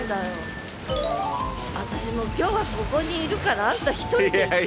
私もう今日はここにいるからあんた一人で行ってきて。